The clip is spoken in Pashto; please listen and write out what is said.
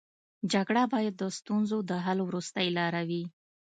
جګړه باید د ستونزو د حل وروستۍ لاره وي